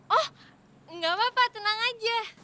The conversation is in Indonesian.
oh enggak apa apa tenang aja